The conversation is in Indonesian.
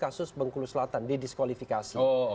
kasus bengkulu selatan didiskualifikasi